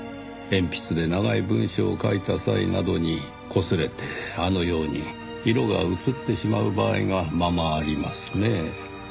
鉛筆で長い文章を書いた際などにこすれてあのように色が移ってしまう場合がままありますねぇ。